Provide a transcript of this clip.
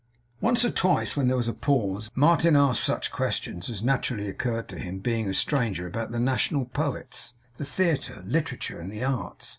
Once or twice, when there was a pause, Martin asked such questions as naturally occurred to him, being a stranger, about the national poets, the theatre, literature, and the arts.